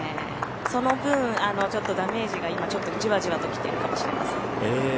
その分ダメージが今、じわじわと来ているかもしれません。